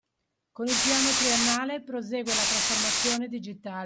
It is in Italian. Con il Piano Triennale prosegue la trasformazione digitale